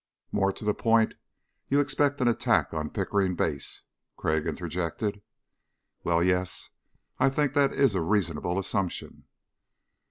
"More to the point, you expect an attack on Pickering Base," Crag interjected. "Well, yes, I think that is a reasonable assumption...."